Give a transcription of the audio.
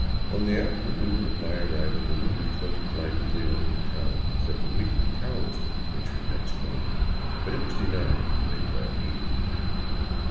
On the afternoon of my arrival the rumor floated languidly over the town that the weekly cow was to be butchered next morning, but it was denied later in the evening.